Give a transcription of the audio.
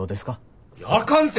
あかんて！